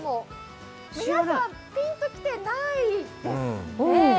皆さんピンときてないですね。